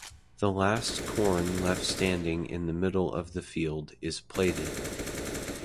The last corn left standing in the middle of the field is plaited.